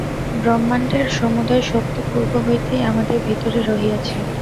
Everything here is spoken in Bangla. ব্রহ্মাণ্ডের সমুদয় শক্তি পূর্ব হইতেই আমাদের ভিতরে রহিয়াছে।